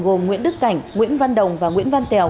gồm nguyễn đức cảnh nguyễn văn đồng và nguyễn văn tèo